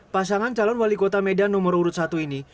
pasangan calon wali kota medan nomor urut satu ini